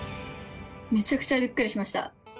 めちゃくちゃびっくりしました。